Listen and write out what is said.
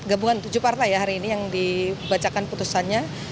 gabungan tujuh partai ya hari ini yang dibacakan putusannya